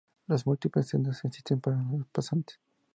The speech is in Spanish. Las múltiples sendas que existen para el paseante.